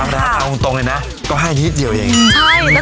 เพราะคุณตรงเลยนะคือไอที่เดียวแบบนี้